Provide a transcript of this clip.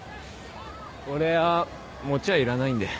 俺は餅はいらないんで。